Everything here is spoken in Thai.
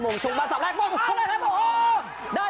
มงชุมมาเสาร์แรกโอ้โหได้ประตูแล้วครับ